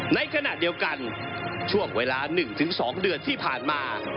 ในขณะเดียวกันช่วงเวลา๑๒เดือนที่ผ่านมา